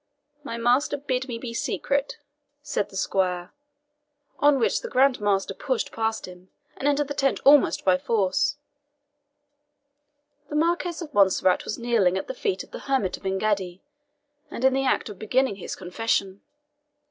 "My master bid me be secret," said the squire; on which the Grand Master pushed past him, and entered the tent almost by force. The Marquis of Montserrat was kneeling at the feet of the hermit of Engaddi, and in the act of beginning his confession.